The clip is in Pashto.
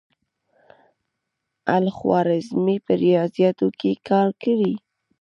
الخوارزمي په ریاضیاتو کې کار کړی.